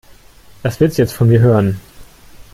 Was willst du jetzt von mir hören?